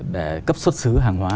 để cấp xuất xứ hàng hóa